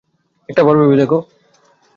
একটাবার ভেবে দেখ।